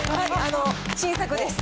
新作です。